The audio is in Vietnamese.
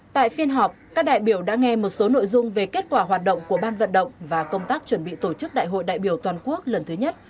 tại phiên họp các đại biểu đã nghe một số nội dung về kết quả hoạt động của ban vận động và công tác chuẩn bị tổ chức đại hội đại biểu toàn quốc lần thứ nhất